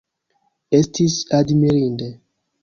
Estis admirinde!